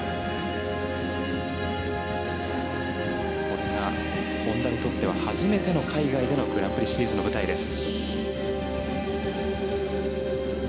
これが本田にとって初めての海外でのグランプリシリーズの舞台です。